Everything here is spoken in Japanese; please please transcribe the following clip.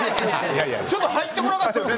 ちょっと入ってこなかったので。